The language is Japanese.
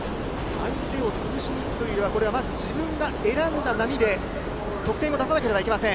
相手をつぶしにいくというのは、自分が選んだ波で得点を出さなければいけません。